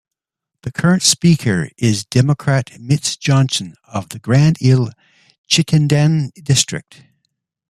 The current Speaker is Democrat Mitzi Johnson of the Grand Isle-Chittenden District.